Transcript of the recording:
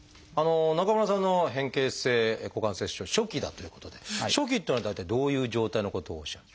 中村さんの変形性股関節症初期だということで初期っていうのは大体どういう状態のことをおっしゃる？